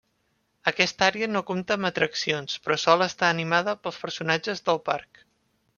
Aquesta àrea no compta amb atraccions però sol estar animada pels personatges del parc.